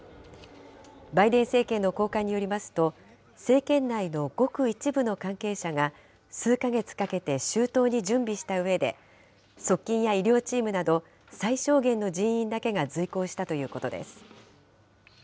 バイデン政権の高官によりますと、政権内のごく一部の関係者が、数か月かけて周到に準備したうえで、側近や医療チームなど最小限の人員だけが随行したということです。